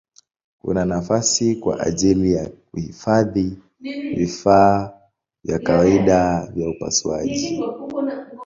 Kuna nafasi kwa ajili ya kuhifadhi vifaa vya kawaida vya upasuaji.